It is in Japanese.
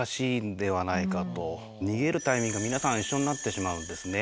逃げるタイミングが皆さん一緒になってしまうんですね。